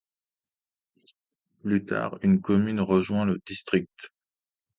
Plus tard, une commune rejoint le district.